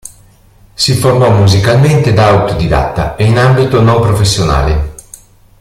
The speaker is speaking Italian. Si formò musicalmente da autodidatta e in ambito non professionale.